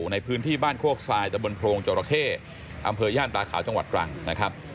ในพื้นที่บ้านโคกทรายตะบนโพรงจราเข้อำเภอย่านตาขาวจังหวัดตรังนะครับ